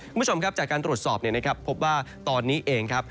คุณผู้ชมครับจากการตรวจสอบเนี่ยนะครับพบว่าตอนนี้เองครับ